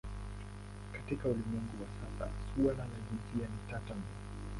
Katika ulimwengu wa sasa suala la jinsia ni tata mno.